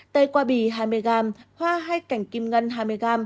tây qua bì hai mươi g hoa hay cảnh kim ngân hai mươi g